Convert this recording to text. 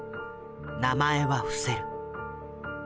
名前は伏せる。